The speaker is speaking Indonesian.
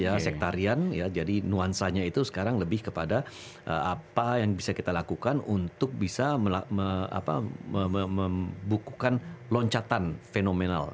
ya sektarian ya jadi nuansanya itu sekarang lebih kepada apa yang bisa kita lakukan untuk bisa membukukan loncatan fenomenal